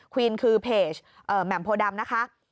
วีนคือเพจแหม่มโพดำนะคะ